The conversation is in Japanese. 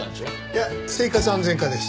いや生活安全課です。